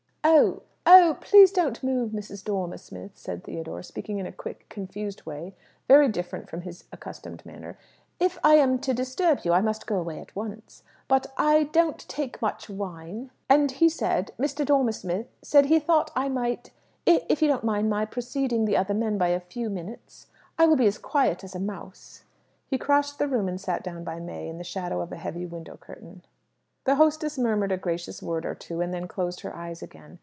"Oh, please don't move, Mrs. Dormer Smith," said Theodore, speaking in a quick, confused way, very different from his accustomed manner. "If I am to disturb you, I must go away at once. But I I don't take much wine, and he said Mr. Dormer Smith said he thought I might if you don't mind my preceding the other men by a few minutes, I will be as quiet as a mouse." He crossed the room and sat down by May in the shadow of a heavy window curtain. The hostess murmured a gracious word or two and then closed her eyes again.